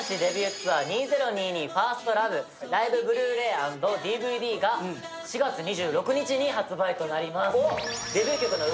ツアー２０２２ライブＢｌｕ−ｒａｙアンドＤＶＤが４月２６日に発売となります。